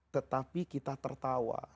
tetapi kita tertawa